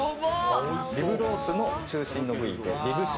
リブロースの中心の部位でリブ芯。